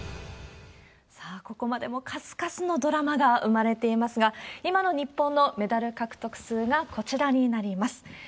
さあ、ここまでも数々のドラマが生まれていますが、今の日本のメダル獲得数がこちらになります。